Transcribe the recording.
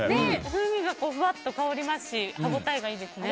風味がふわっと香りますし歯応えがいいですね。